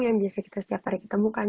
yang biasa kita setiap hari ketemu kan